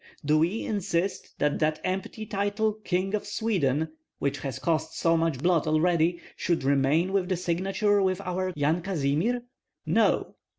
Do we insist that that empty title 'King of Sweden,' which has cost so much blood already, should remain with the signature of our Yan Kazimir? No!